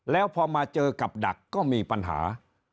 แล้วพอมาเจอกับดักก็มีปัญหา